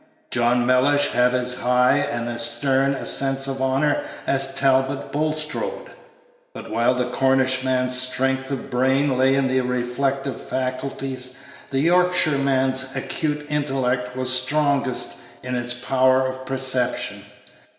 John Mellish had as high and stern a sense of honor as Talbot Bulstrode; but while the Cornishman's strength of brain lay in the reflective faculties, the Yorkshireman's acute intellect was strongest in its power of perception.